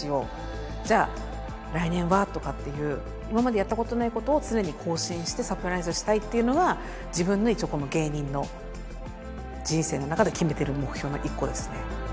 じゃあ来年はとかっていう今までやったことないことを常に更新してサプライズしたいっていうのが自分の一応芸人の人生の中で決めてる目標の１個ですね。